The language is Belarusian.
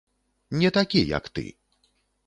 Не такі, як ты.